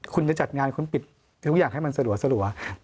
คุณจะจัดงานคุณปิดทุกอย่างให้มันสลัว